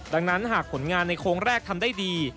ดังนั้นหากผลงานในโค้งแรกทำได้ดี